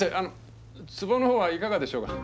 壺のほうはいかがでしょうか？